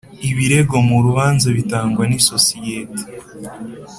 ibiego mu rubanza bitangwa n’isosiyete